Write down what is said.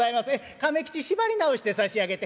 カメキチ縛り直してさしあげて。